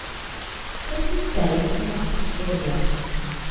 Christmas Day was not joyless.